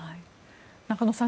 中野さん